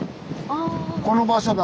この場所だ。